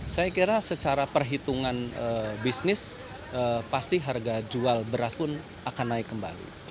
saya kira secara perhitungan bisnis pasti harga jual beras pun akan naik kembali